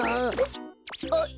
あっ。